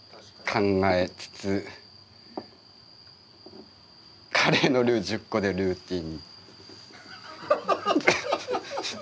考えつつカレーのルー１０個でルーティン。